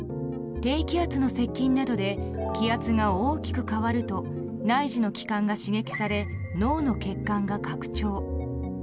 低気圧の接近などで気圧が大きく変わると内耳の器官が刺激され脳の血管が拡張。